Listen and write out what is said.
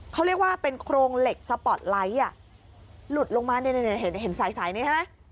เขาเรียกว่าเป็นโครงเหล็กสปอร์ตไลท์อ่ะหลุดลงมาเนี่ยเห็นสายสายนี้ใช่ไหม